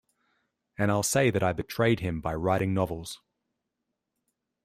And I'll say that I betrayed him by writing novels.